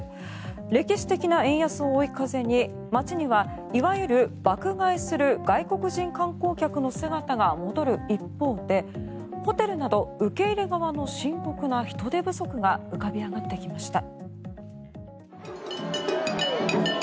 歴史的な円安を追い風に街にはいわゆる爆買いする外国人観光客の姿が戻る一方でホテルなど受け入れ側の深刻な人手不足が浮かび上がってきました。